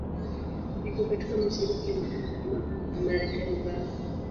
Iko katika mashariki ya Marekani bara.